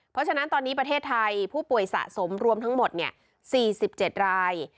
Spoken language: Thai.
เพราะฉะนั้นตอนนี้ประเทศไทยผู้ป่วยสะสมรวมทั้งหมด๔๗ราย